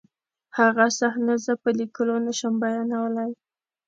هغه صحنه زه په لیکلو نشم بیانولی